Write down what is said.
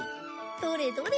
どれどれ。